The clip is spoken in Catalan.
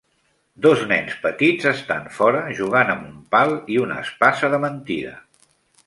Dos nens petits estan fora jugant amb un pal i una espasa de mentida.